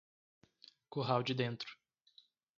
Curral de Dentro